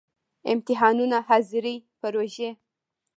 امتحانونه، ،حاضری، پروژی